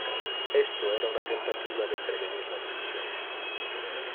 Esto era una tentativa de prevenir la división.